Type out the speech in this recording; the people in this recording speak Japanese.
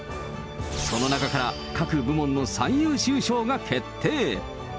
その中から、各部門の最優秀賞が決定。